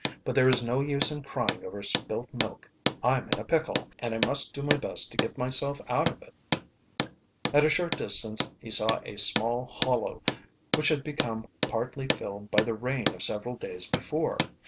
"But there is no use in crying over spilt milk. I'm in a pickle, and I must do my best to get myself out of it." At a short distance he saw a small hollow which had become partly filled by the rain of several days before.